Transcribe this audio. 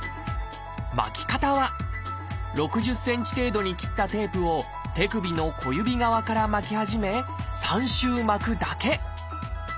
巻き方は６０ｃｍ程度に切ったテープを手首の小指側から巻き始め３周巻くだけ。